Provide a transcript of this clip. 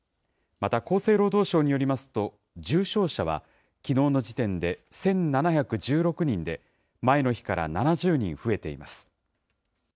また厚生労働省によりますと、重症者はきのうの時点で１７１６人で、前の日から７０人増えています。